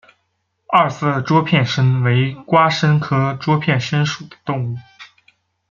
二色桌片参为瓜参科桌片参属的动物。